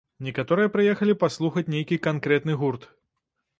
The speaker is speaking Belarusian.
Некаторыя прыехалі паслухаць нейкі канкрэтны гурт.